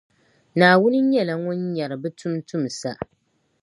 Naawuni nyɛla Ŋun nyara bɛ tuuntumsa.